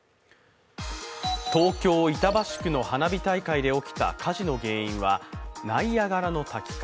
東京・板橋区の花火大会で起きた火事の原因はナイアガラの滝か。